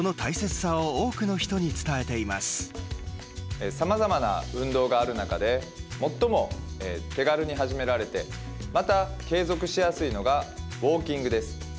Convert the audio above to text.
さまざまな運動がある中で最も手軽に始められてまた継続しやすいのがウォーキングです。